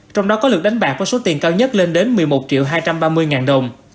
trong đó có lượt đánh bạc với số tiền cao nhất lên đến một mươi một triệu hai trăm ba mươi ngàn đồng